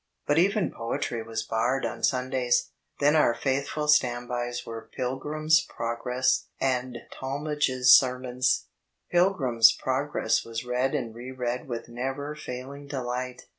But even poetry was barred on Sundays. Then our faith ful standbys were Pilgrim's Progress and Talmage's Sermons. Pilgrim's Progress was read and re read with never failing delight.